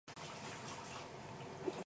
Their head is not as wide as body.